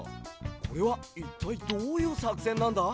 これはいったいどういうさくせんなんだ？